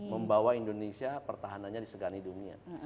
membawa indonesia pertahanannya di segala dunia